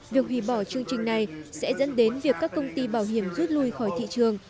việc hủy bỏ chương trình này sẽ dẫn đến việc các công ty bảo hiểm rút lui khỏi thị trường